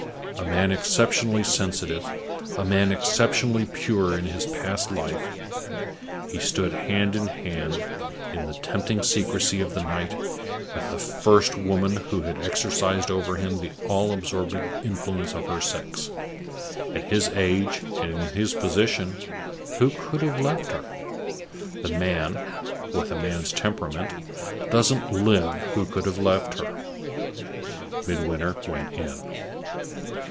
A man exceptionally sensitive, a man exceptionally pure in his past life, he stood hand in hand, in the tempting secrecy of the night, with the first woman who had exercised over him the all absorbing influence of her sex. At his age, and in his position, who could have left her? The man (with a man's temperament) doesn't live who could have left her. Midwinter went in.